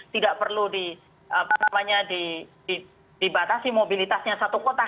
tidak perlu di apa namanya dibatasi mobilitasnya satu kota